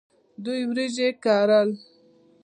دوی وریجې کرل.